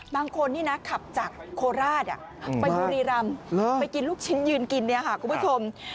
บางคนนี่นะขับจากโคราชไปบุรีรำไปกินลูกชิ้นยืนกินเนี่ยค่ะคุณผู้ชม